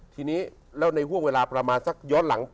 ทีนี้แล้วในห่วงเวลาประมาณสักย้อนหลัง